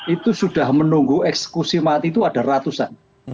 itu sudah menunggu eksekusi mati itu ada ratusan